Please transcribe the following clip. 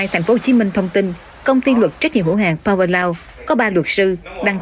một mươi hai thành phố hồ chí minh thông tin công ty luật trách nhiệm hữu hạn powerlaw có ba luật sư đăng